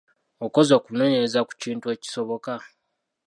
Okoze okunoonyereza ku kintu ekisoboka?